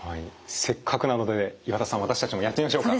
せっかくなので岩田さん私たちもやってみましょうか。